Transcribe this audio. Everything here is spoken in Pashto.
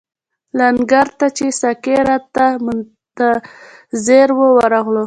لنګر ته چې ساقي راته منتظر وو ورغلو.